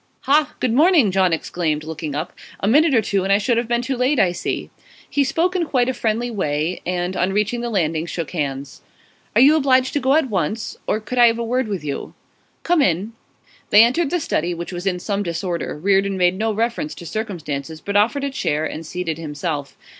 'Ha! Good morning!' John exclaimed, looking up. 'A minute or two and I should have been too late, I see.' He spoke in quite a friendly way, and, on reaching the landing, shook hands. 'Are you obliged to go at once? Or could I have a word with you?' 'Come in.' They entered the study, which was in some disorder; Reardon made no reference to circumstances, but offered a chair, and seated himself.